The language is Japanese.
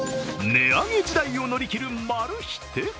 値上げ時代を乗り切るマル秘テク。